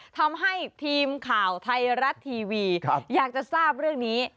ทำให้ทีมข่าวไทยรัฐทีวีอยากจะทราบเรื่องนี้